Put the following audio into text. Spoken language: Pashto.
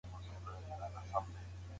تاسي کله د هیواد د ابادۍ نقشه ولیدله؟